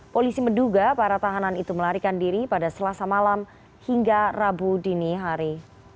polisi menduga para tahanan itu melarikan diri pada selasa malam hingga rabu dini hari